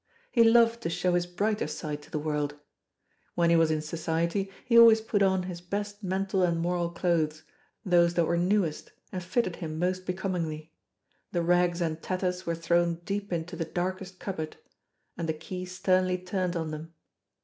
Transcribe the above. He loved to show his brighter side to the world. When he was in society he always put on his best mental and moral clothes, those that were newest and fitted him most becomingly; the rags and tatters were thrown deep into the darkest cupboard, and the key sternly turned on them.